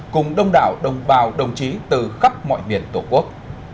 cùng đông đảo đồng bào đồng chí từ khắp mọi miền tổ quốc